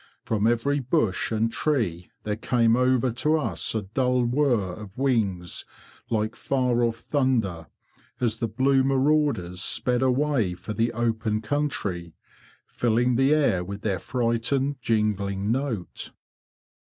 From every bush and tree there came over to us a dull whirr of wings like far off thunder, as the blue marauders sped away for the open country, filling the air with their frightened jingling note.